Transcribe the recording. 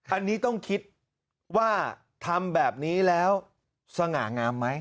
อันนี้ต้องคิดว่าทำแบบนี้แล้วสง่างามไหม